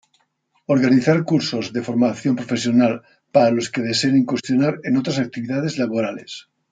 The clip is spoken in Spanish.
Organizar cursos de formación profesional para los que deseen incursionar en otras actividades laborales.